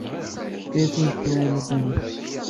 Tefka-as ayefki i ulufan-is.